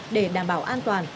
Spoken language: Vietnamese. để đảm bảo an toàn